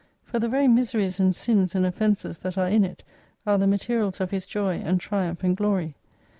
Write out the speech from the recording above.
For the very miseries and sins and offences that are in it are the materials of his joy and triumph and glory.